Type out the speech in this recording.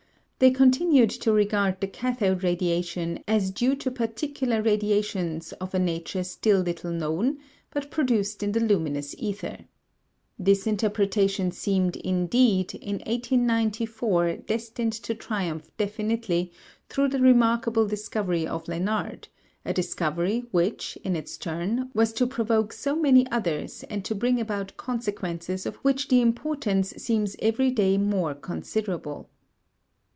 They continued to regard the cathode radiation as due to particular radiations of a nature still little known but produced in the luminous ether. This interpretation seemed, indeed, in 1894, destined to triumph definitely through the remarkable discovery of Lenard, a discovery which, in its turn, was to provoke so many others and to bring about consequences of which the importance seems every day more considerable.